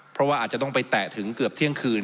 เพราะว่าอาจจะต้องไปแตะถึงเกือบเที่ยงคืน